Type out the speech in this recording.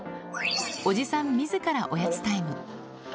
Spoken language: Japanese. おじさんみずからおやつタイム。